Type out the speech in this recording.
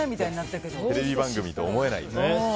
テレビ番組とは思えないですね。